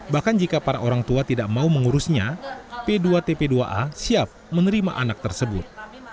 bahkan jika para orang tua tidak mau mengurusnya p dua tp dua a siap menerima anak tersebut